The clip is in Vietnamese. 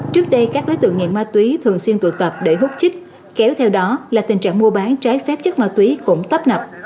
trước đây các đối tượng nghiện ma túy thường xuyên tụ tập để hút chích kéo theo đó là tình trạng mua bán trái phép chất ma túy cũng tấp nập